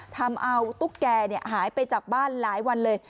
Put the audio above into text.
ทำเอาตุ๊กแกหายไปจากบ้านหลายวันเลย